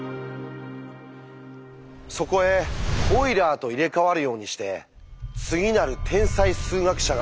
そこへオイラーと入れ代わるようにして次なる天才数学者が現れます。